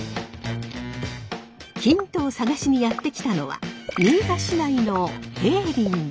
ヒントを探しにやって来たのは新座市内の平林寺！